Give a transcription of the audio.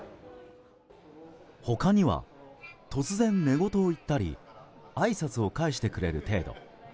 他には、突然寝言を言ったりあいさつを返してくれる程度。